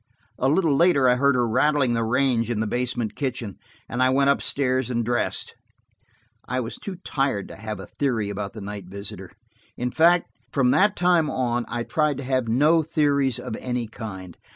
A little later I heard her rattling the range in the basement kitchen, and I went up stairs and dressed. I was too tired to have a theory about the night visitor; in fact, from that time on, I tried to have no theories of any kind.